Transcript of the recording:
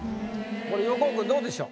これ横尾くんどうでしょう？